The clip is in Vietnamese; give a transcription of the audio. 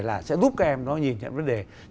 là sẽ giúp các em nó nhìn nhận vấn đề